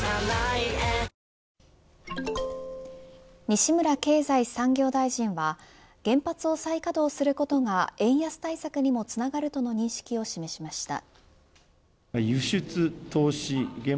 西村経済産業大臣は原発を再稼働することが円安対策にもつながるとの認識を示しました。